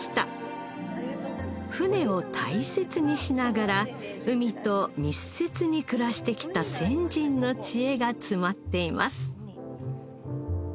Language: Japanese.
舟を大切にしながら海と密接に暮らしてきた先人の知恵が詰まっています